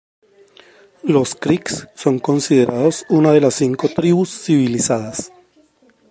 Los creeks son considerados una de las Cinco Tribus Civilizadas.